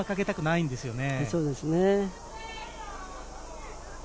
そうですね。